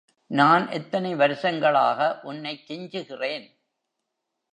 நான் எத்தனை வருஷங்களாக உன்னைக் கெஞ்சுகிறேன்.